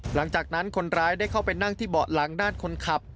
หลังจากนั้นคนร้ายได้เข้าไปนั่งที่เบาะหลังด้านคนขับ